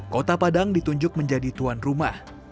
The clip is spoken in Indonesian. kota padang ditunjuk menjadi tuan rumah